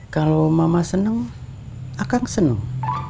kalau mama seneng akang seneng